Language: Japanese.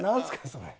それ。